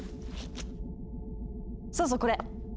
そうそうこれ。